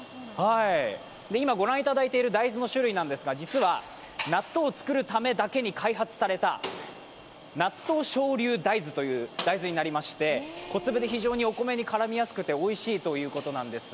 ご覧いただいている大豆の種類なんですが、実は納豆を作るためだけに開発された納豆小粒大豆という大豆になりまして、小粒で非常にお米に絡みやすくて、おいしいということなんです。